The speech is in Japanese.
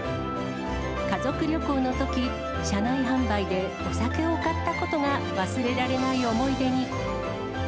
家族旅行のとき、車内販売でお酒を買ったことが忘れられない思い出に。